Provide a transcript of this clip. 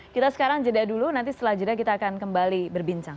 kita sekarang jeda dulu nanti setelah jeda kita akan kembali berbincang